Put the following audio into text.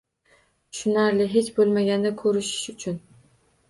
Tushunarli, hech boʻlmaganda koʻrish uchun...